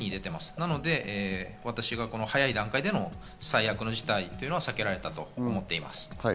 なので私が早い段階での最悪の事態は避けられたと思っています。